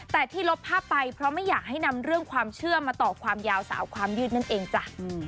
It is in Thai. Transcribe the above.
แต่ที่ลบภาพไปเพราะไม่อยากให้นำเรื่องความเชื่อมาต่อความยาวสาวความยืดนั่นเองจ้ะ